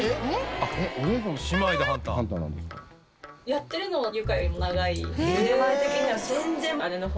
やってるのは結香よりも長い。